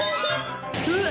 うわ！